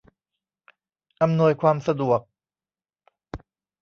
อำนวยความสะดวก